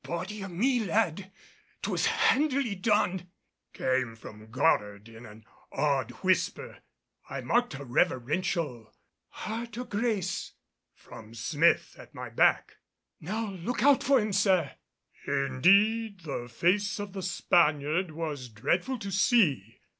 "Body o' me, lad, 'twas handily done," came from Goddard in an awed whisper; I marked a reverential "Heart o' grace," from Smith at my back, "now look out for him, sir!" Indeed the face of the Spaniard was dreadful to see.